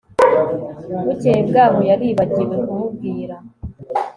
bukeye bwaho, yaribagiwe kumubwira